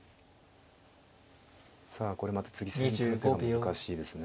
さあこれまた次先手の手が難しいですね。